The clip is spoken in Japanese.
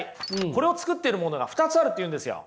これを作ってるものが２つあるというんですよ。